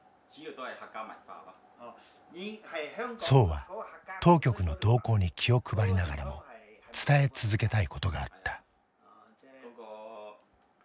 曽は当局の動向に気を配りながらも伝え続けたいことがあった。